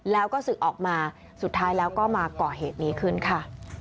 แล้วก็ศึกออกมาสุดท้ายแล้วก็มาก่อเหตุนี้ขึ้นค่ะ